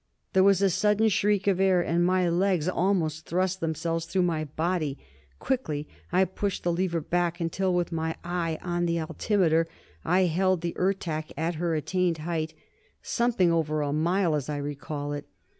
There was a sudden shriek of air, and my legs almost thrust themselves through my body. Quickly, I pushed the lever back until, with my eye on the altimeter, I held the Ertak at her attained height something over a mile, as I recall it.